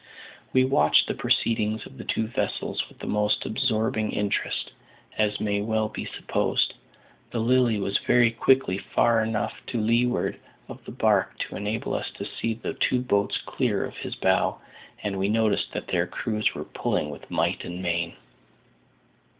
We watched the proceedings of the two vessels with the most absorbing interest, as may well be supposed. The Lily was very quickly far enough to leeward of the barque to enable us to see the two boats clear of his bow; and we noticed that their crews were pulling with might and main.